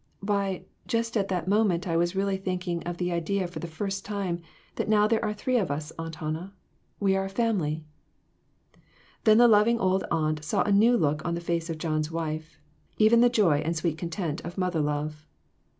"Why, just at that moment I was really taking in the idea frtfthe first that now there are three of us, Aunt fiannah we are a family !" Then the loving old aunt saw a new look on the face of John's wife, even the joy and sweet con tent of mother love.